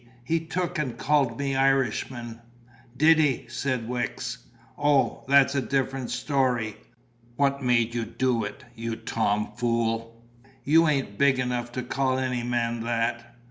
"He took and called me Irishman." "Did he?" said Wicks. "O, that's a different story! What made you do it, you tomfool? You ain't big enough to call any man that."